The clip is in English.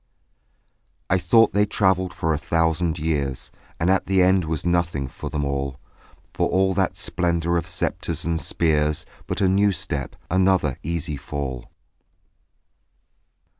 I thought they travelled for a thousand years; And at the end was nothing for them all, For all that splendour of sceptres and of spears, But a new step, another easy fall.